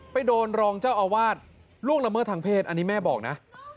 ไปโดนรองเจ้าอาวาสล่วงละเมิดทางเพศอันนี้แม่บอกนะ